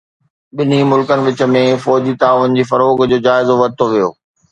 ٻنهي ملڪن وچ ۾ فوجي تعاون جي فروغ جو جائزو ورتو ويو